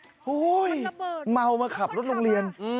โอ้โหเมามาขับรถโรงเรียน